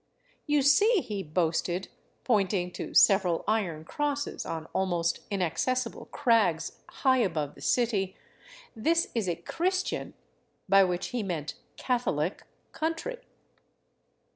" You see," he boasted, pointing to several iron crosses on almost inaccessible crags high above the city, *' this is a Christian " (by which' he meant Catholic) country."